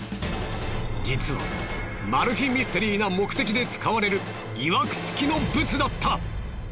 実はマル秘ミステリーな目的で使われるいわくつきのブツだった！